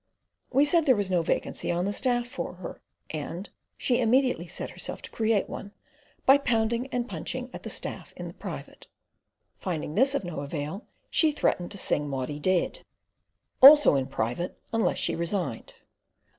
We said there was no vacancy on the staff for her, and she immediately set herself to create one, by pounding and punching at the staff in private. Finding this of no avail, she threatened to "sing" Maudie dead, also in private, unless she resigned.